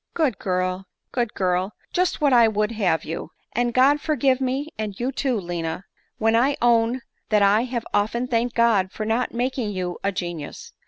" Good girl, good girl ! just what I would have you ! And God forgive me, and you too, lina, when I own ffaat I have often thanked God for not making you a ge nius